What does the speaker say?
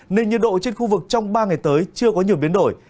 nên nhiệt độ trên khu vực trong ba ngày tới chưa có nhiều biến đổi